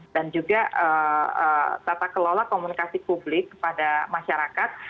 dan juga tata kelola komunikasi publik pada masyarakat